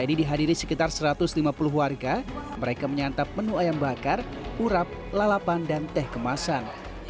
ini dihadiri sekitar satu ratus lima puluh warga mereka menyantap menu ayam bakar urap lalapan dan teh kemasan